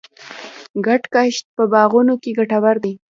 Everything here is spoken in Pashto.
ګډ کښت په باغونو کې ګټور دی.